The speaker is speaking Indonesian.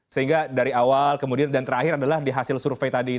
sehingga dari awal kemudian dan terakhir adalah di hasil survei tadi